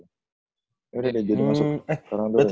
ya udah deh jadi masuk karangturi